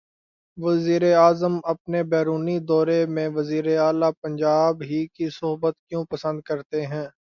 وزیراعظم اپنے بیرونی دورے میں وزیر اعلی پنجاب ہی کی صحبت کیوں پسند کرتے ہیں؟